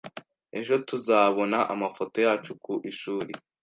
Ejo tuzabona amafoto yacu ku ishuri.